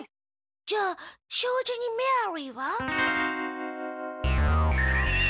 じゃあ障子にメアリーは？